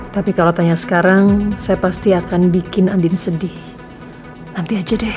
tapi kalau tanya sekarang saya pasti akan bikin andin sedih nanti aja deh